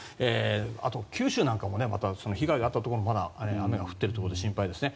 あと九州なんかも被害があったところもまだ雨が降っているということで心配ですね。